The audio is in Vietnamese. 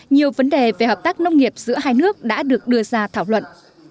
nhiều vấn đề về hợp tác nông nghiệp giữa hai nước đã được đưa ra thảo luận